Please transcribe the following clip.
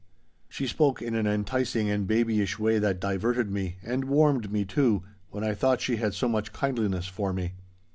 She spoke in an enticing and babyish way that diverted me, and warmed me too, when I thought she had so much kindliness for me.